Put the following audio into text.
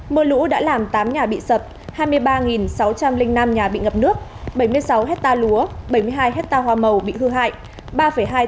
mưa lũ đã làm tám nhà bị sập hai mươi ba sáu trăm linh năm nhà bị ngập nước bảy mươi sáu hectare lúa bảy mươi hai hectare hoa màu bị hư hại